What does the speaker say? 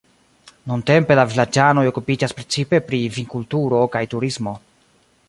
Nuntempe la vilaĝanoj okupiĝas precipe pri vinkulturo kaj turismo.